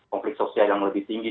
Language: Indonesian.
konflik sosial yang lebih tinggi